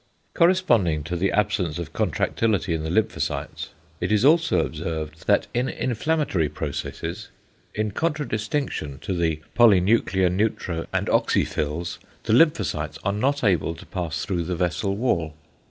Corresponding to the absence of contractility in the lymphocytes it is also observed that in =inflammatory= processes in contradistinction to the polynuclear neutro and oxyphils, the lymphocytes are not able to pass through the vessel wall.